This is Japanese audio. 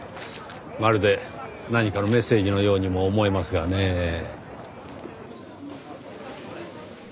まるで何かのメッセージのようにも思えますがねぇ。